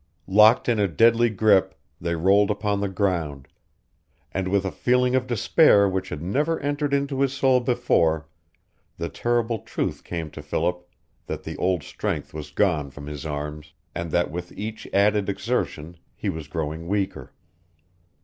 Locked in a deadly grip, they rolled upon the ground; and, with a feeling of despair which had never entered into his soul before, the terrible truth came to Philip that the old strength was gone from his arms and that with each added exertion he was growing weaker.